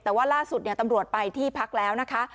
แต่ว่าล่าสุดตำรวจไปที่พักแล้วนะคะ